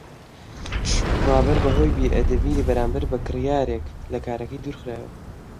ڕابەر بەهۆی بێئەدەبی بەرامبەر بە کڕیارێک لە کارەکەی دوورخرایەوە.